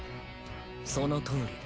そのとおり。